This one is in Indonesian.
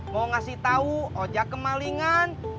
mau ngasih tau ojak kemalingan